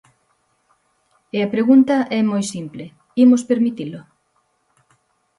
E a pregunta é moi simple: ¿imos permitilo?